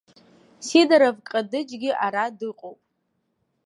Сидоров ҟадыџьгьы ара дыҟоуп.